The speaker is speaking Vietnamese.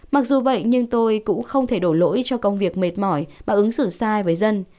mặc dù vậy nhưng tôi cũng không thể đổ lỗi cho công việc mệt mỏi và ứng xử sai với dân